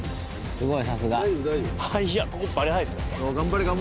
すごい